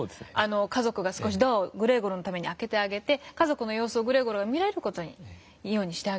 家族が少しドアをグレーゴルのために開けてあげて家族の様子をグレーゴルが見られるようにしていますよね。